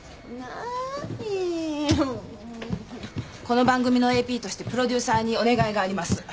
この番組のＡＰとしてプロデューサーにお願いがあります。